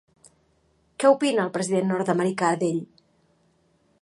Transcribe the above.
Què opina el president nord-americà d'ell?